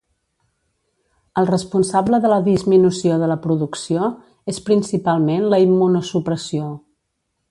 El responsable de la disminució de la producció és principalment la immunosupressió.